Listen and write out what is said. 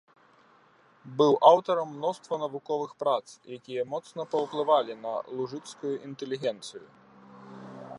Быў аўтарам мноства навуковых прац, якія моцна паўплывалі на лужыцкую інтэлігенцыю.